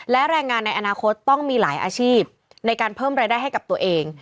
และแรงงานในอนาคตต้องมีหลายอาชีพในการเพิ่มรายได้ให้กับตัวเอง